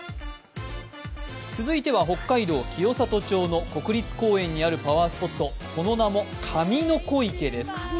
続いては北海道清里町の国立公園にあるパワースポット、その名も神の子池です。